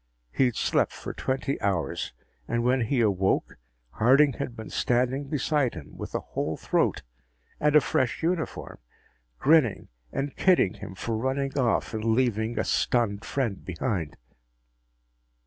He'd slept for twenty hours. And when he awoke, Harding had been standing beside him, with a whole throat and a fresh uniform, grinning and kidding him for running off and leaving a stunned friend behind.